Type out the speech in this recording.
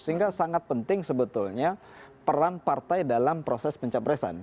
sehingga sangat penting sebetulnya peran partai dalam prosesnya